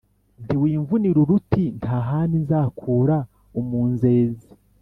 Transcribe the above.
nti: Wimvunira uruti nta handi nzakura umunzenzi;